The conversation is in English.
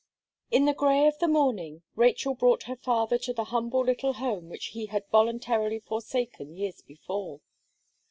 In the grey of the morning, Rachel brought her father to the humble little home which he had voluntarily forsaken years before.